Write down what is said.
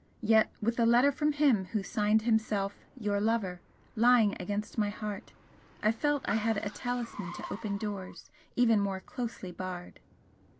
Yet with the letter from him who signed himself 'Your lover' lying against my heart, I felt I had a talisman to open doors even more closely barred.